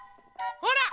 ほら！